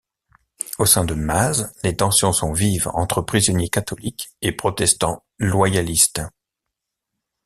Au sein de Maze, les tensions sont vives entre prisonniers catholiques et protestants loyalistes.